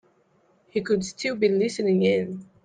He could still be listening in.